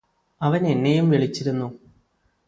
അവനെന്നെയും വിളിച്ചിരുന്നു